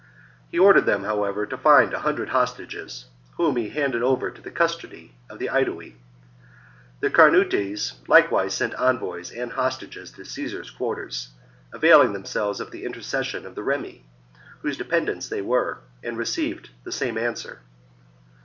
He ordered them, however, to find a hundred hostages, whom he handed over to the custody of the Aedui. The Carnutes likewise sent envoys and hostages to Caesar's quarters, availing themselves of the inter cession of the Remi, whose dependents they were, and received the same answer.